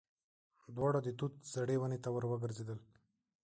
دواړه د توت زړې ونې ته ور وګرځېدل.